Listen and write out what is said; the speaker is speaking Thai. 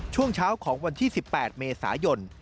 ช่วงเช้าของวันที่๑๘เมษายน